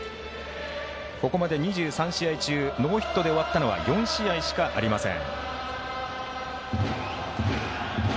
ここまで２３試合中ノーヒットで終わったのは４試合しかありません。